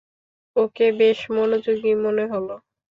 ওকে বেশ মনোযোগী মনে হলো।